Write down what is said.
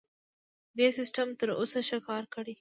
دې سیستم تر اوسه ښه کار کړی.